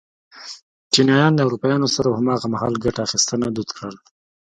چینایانو له اروپایانو سره هماغه مهال ګته اخیستنه دود کړل.